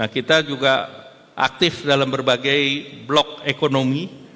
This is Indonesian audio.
kita juga aktif dalam berbagai blok ekonomi